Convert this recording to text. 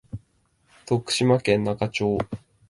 徳島県那賀町